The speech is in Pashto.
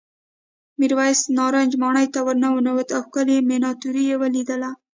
میرويس نارنج ماڼۍ ته ورننوت او ښکلې مېناتوري یې ولیدل.